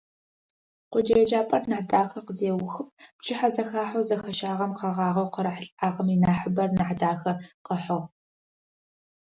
Къоджэ еджапӏэр Нахьдахэ къызеухым, пчыхьэзэхахьэу зэхащагъэм къэгъагъэу къырахьылӏагъэм инахьыбэр Нахьдахэ къыхьыгъ.